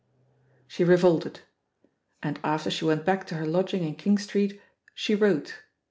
She revolted. And after she went back to hei: lodging in King Street she wrote.